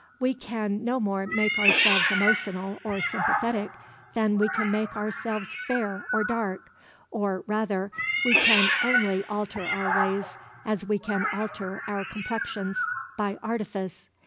We can no more make ourselves emotional or sympathetic than we can make ourselves fair or dark, or rather, we can only alter our ways as we can alter our complexions, by artifice.